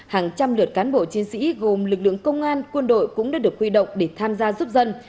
hàng trăm lượt cán bộ chiến sĩ gồm lực lượng công an quân đội cũng đã được huy động để tham gia giúp dân